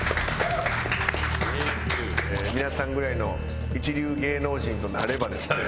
皆さんぐらいの一流芸能人となればですね。